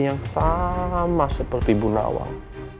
yang sama seperti ibu nawang